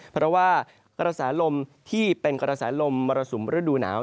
เพราะว่ากระแสลมที่เป็นกระแสลมมรสุมฤดูหนาว